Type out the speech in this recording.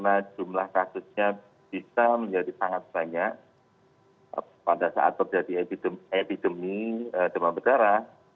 karena jumlah kasusnya bisa menjadi sangat banyak pada saat terjadi epidemi demam berdarah